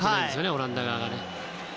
オランダ側がね。